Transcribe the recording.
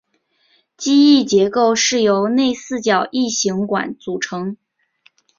机翼结构是由内四角异型管组成。